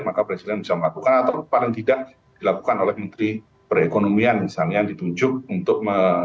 maka presiden bisa melakukan atau paling tidak dilakukan oleh menteri perekonomian misalnya yang ditunjuk untuk